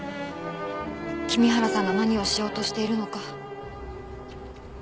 君原さんが何をしようとしているのか。